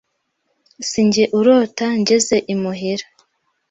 sinjye urota njyeze imuhira